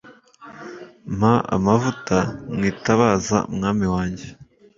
mpa amavuta mwitabaza mwami wanjye